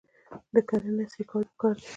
د کرنې عصري کول پکار دي.